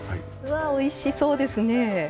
おいしそうですね。